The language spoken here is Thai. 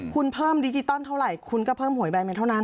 คุณเพิ่มดิจิตอลเท่าไหร่คุณก็เพิ่มหวยใบเมนเท่านั้น